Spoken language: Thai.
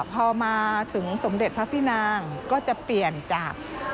พอมาถึงสมเด็จพระพี่นางก็จะเปลี่ยนจาก